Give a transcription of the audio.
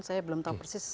saya belum tahu persis